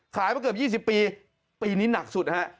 ขายประมาณ๒๐ปีปีนี้น่าสุดครับ